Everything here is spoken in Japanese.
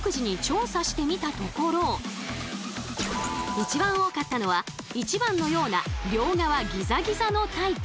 一番多かったのは１番のような両側ギザギザのタイプ。